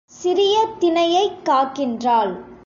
சிறிய தினையைக் காக்கின்றாள்.